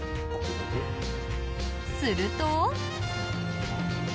すると。